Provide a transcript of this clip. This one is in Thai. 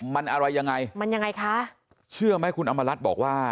มันอะไรยังไงมันยังไงคะเชื่อไหมคุณอำมารัฐบอกว่า